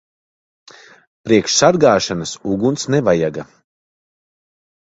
Priekš sargāšanas uguns nevajaga.